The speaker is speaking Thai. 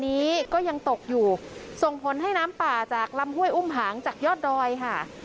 นี้ก็ยังตกอยู่ส่งผลให้น้ำป่าจากลำห้วยอุ้มหางจากยอดดอยค่ะ